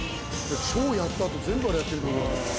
ショーやったあと全部あれやってるって事なのか。